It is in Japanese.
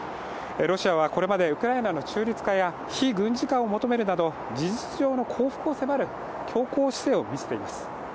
ロシアはこれまでウクライナの中立化や非軍事化を求めるなど事実上の降伏を迫る、強硬姿勢を見せています。